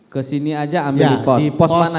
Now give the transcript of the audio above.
kesini aja ambil di pos